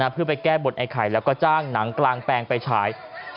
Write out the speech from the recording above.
เพื่อไปแก้บนไอ้ไข่แล้วก็จ้างหนังกลางแปลงไปฉาย